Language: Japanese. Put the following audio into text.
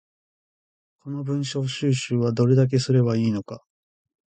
この文章収集はどれだけすれば良いのか